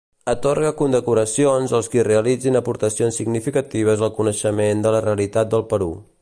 Atorga condecoracions als qui realitzin aportacions significatives al coneixement de la realitat del Perú.